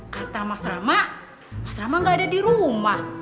kata mas rama mas rama gak ada di rumah